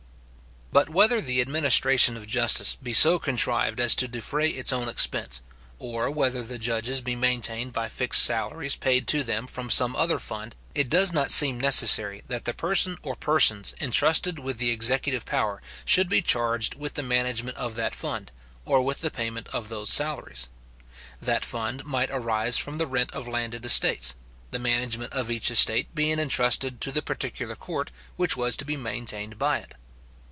But whether the administration of justice be so contrived as to defray its own expense, or whether the judges be maintained by fixed salaries paid to them from some other fund, it does not seen necessary that the person or persons entrusted with the executive power should be charged with the management of that fund, or with the payment of those salaries. That fund might arise from the rent of landed estates, the management of each estate being entrusted to the particular court which was to be maintained by it.